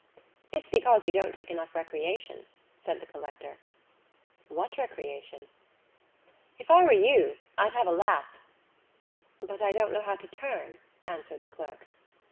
"It's because you don't take enough recreation," said the collector. "What recreation?" "If I were you I'd have a lathe." "But I don't know how to turn," answered the clerk.